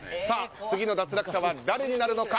次の脱落者は誰になるのか。